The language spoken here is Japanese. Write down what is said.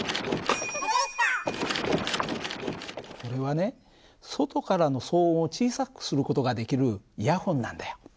これはね外からの騒音を小さくする事ができるイヤホンなんだよ。